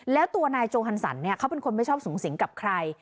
แล้วตัวนายโจฮันสันเนี่ยเขาเป็นคนไม่ชอบสูงสิงกับใคร